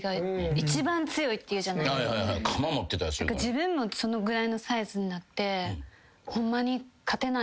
自分もそのぐらいのサイズになって。